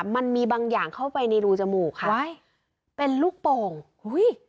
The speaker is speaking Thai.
มันมีบางอย่างเข้าไปในรูจมูกค่ะว้ายเป็นลูกโป่งอุ้ย